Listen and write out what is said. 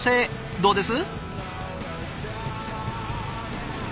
どうです？